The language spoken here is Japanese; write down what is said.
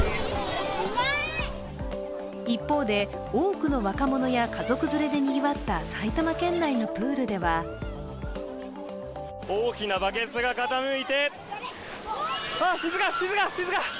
一方で多くの若者や家族連れでにぎわった埼玉県内のプールでは大きなバケツが傾いてああっ、水が、水が、水が！